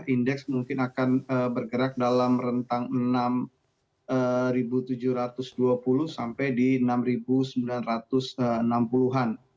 indeks mungkin akan bergerak dalam rentang enam tujuh ratus dua puluh sampai di enam sembilan ratus enam puluh an